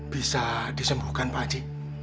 bisa disembuhkan pak ji